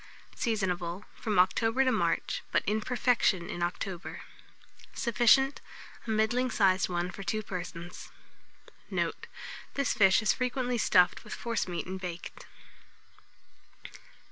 Seasonable from October to March, but in perfection in October. Sufficient, a middling sized one for 2 persons. Note. This fish is frequently stuffed with forcemeat and baked.